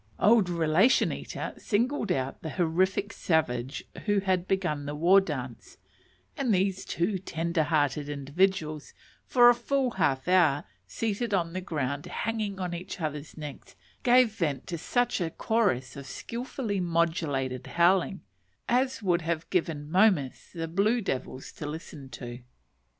Old "Relation Eater" singled out the horrific savage who had begun the war dance, and these two tenderhearted individuals, for a full half hour, seated on the ground, hanging on each other's necks, gave vent to such a chorus of skilfully modulated howling as would have given Momus the blue devils to listen to.